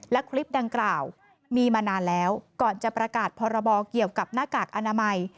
และคลิปดังกล่าวมีมานานแล้วก่อนจะประกาศพรบเกี่ยวกับหน้ากากอนามัย